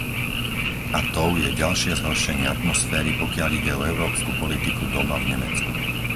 A tou je ďalšie zhoršenie atmosféry, pokiaľ ide o európsku politiku doma v Nemecku.